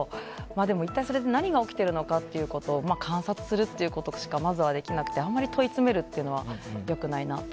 でも、一体それで何が起きているのかを観察することしかまずはできなくてあんまり問い詰めるっていうのは良くないなと。